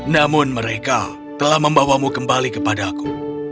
namun mereka telah membawamu kembali kepadaku